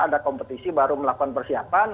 ada kompetisi baru melakukan persiapan